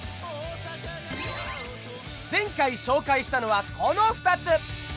前回紹介したのはこの２つ。